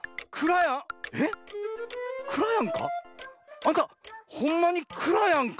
あんたほんまにくらやんか？」。